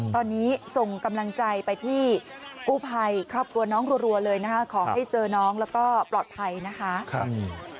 ตอนนี้ส่งกำลังใจไปที่กู้ภัยครอบครัวน้องรัวเลยนะคะขอให้เจอน้องแล้วก็ปลอดภัยนะคะ